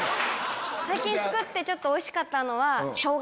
最近作っておいしかったのは。